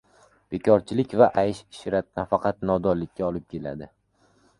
Bekorchilik va aysh-ishrat nafaqat nodonlikka olib keladi.